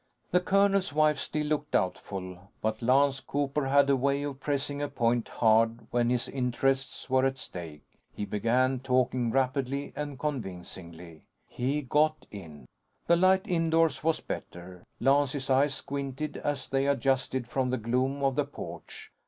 The colonel's wife still looked doubtful, but Lance Cooper had a way of pressing a point hard when his interests were at stake. He began talking rapidly and convincingly. He got in. The light indoors was better. Lance's eyes squinted, as they adjusted from the gloom of the porch.